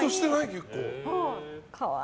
結構。